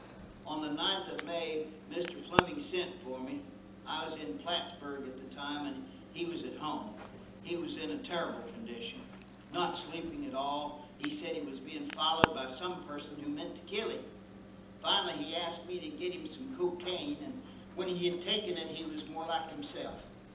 On the ninth of May, Mr. Fleming sent for me. I was in Plattsburg at the time, and he was at home. He was in a terrible condition–not sleeping at all, and he said he was being followed by some person who meant to kill him. Finally he asked me to get him some cocaine, and when he had taken it he was more like himself.